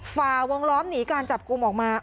ฝ่าวงล้อมหนีการจับกลุ่มออกมา